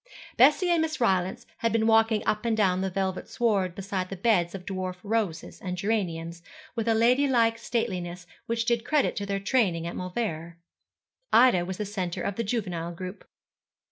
Bessie and Miss Rylance had been walking up and down the velvet sward beside the beds of dwarf roses and geraniums, with a ladylike stateliness which did credit to their training at Mauleverer. Ida was the centre of the juvenile group.